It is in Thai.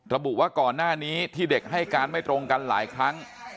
ระบุว่าก่อนหน้านี้ที่เด็กให้การไม่ตรงกันหลายครั้ง